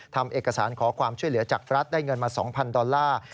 ทำเอกสารขอความช่วยเหลือจากรัฐได้เงินมา๒๐๐ดอลลาร์